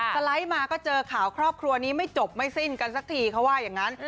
สไลด์มาก็เจอข่าวครอบครัวนี้ไม่จบไม่สิ้นกันสักทีเขาว่าอย่างนั้น